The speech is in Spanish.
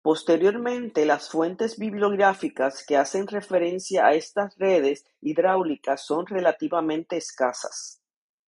Posteriormente las fuentes bibliográficas que hacen referencia a estas redes hidráulicas son relativamente escasas.